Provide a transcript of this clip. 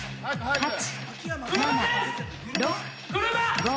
あっ！